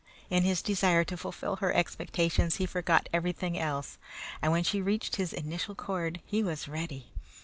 In his desire to fulfill her expectations he forgot everything else, and when she reached his initial chord he was ready.